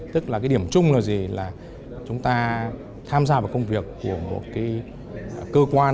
tức là cái điểm chung là gì là chúng ta tham gia vào công việc của một cái cơ quan